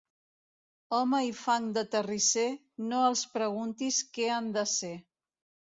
Home i fang de terrisser, no els preguntis què han de ser.